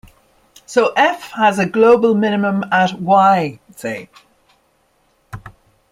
So "f" has a global minimum at "Y" say.